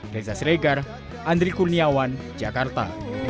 reza siregar andri kurniawan jakarta